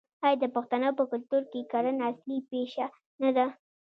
آیا د پښتنو په کلتور کې کرنه اصلي پیشه نه ده؟